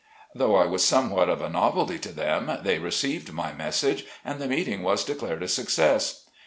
Though I was somewhat of a novelty to them, they received my message, and the meeting was declared a success.